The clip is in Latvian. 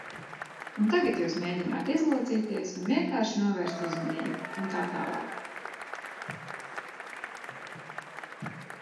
Un tagad jūs mēģināt izlocīties un vienkārši novērst uzmanību, un tā tālāk.